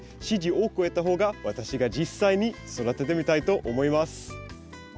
支持を多く得た方が私が実際に育ててみたいと思います。